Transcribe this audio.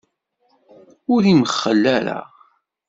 Ur imxell ara.